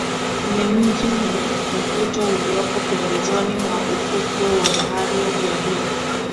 Ni mji wenye mvuto uliopo pembezoni mwa ufukwe wa bahari ya Hindi